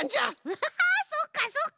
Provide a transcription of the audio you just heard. ウハハそっかそっか！